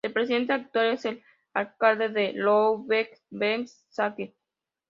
El Presidente actual es el alcalde de Lübeck, Bernd Saxe.